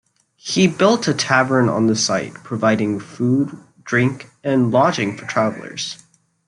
He built a tavern on the site, providing food, drink and lodging for travelers.